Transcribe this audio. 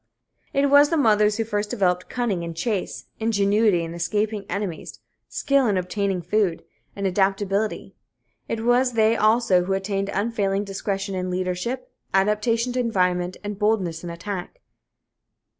It was the mothers who first developed cunning in chase, ingenuity in escaping enemies, skill in obtaining food, and adaptability. It was they also who attained unfailing discretion in leadership, adaptation to environment and boldness in attack.